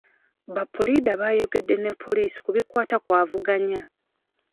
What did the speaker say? Ba puliida bayogedde ne poliisi ku bikwata ku avuganya.